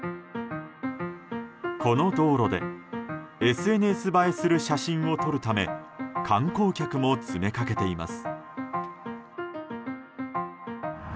この道路でＳＮＳ映えする写真を撮るため観光客も詰め掛けています。